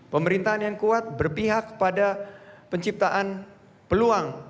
pemerintahan yang kuat berpihak pada penciptaan peluang